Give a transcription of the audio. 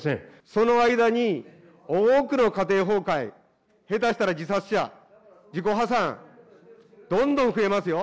その間に、多くの家庭崩壊、下手したら自殺者、自己破産、どんどん増えますよ。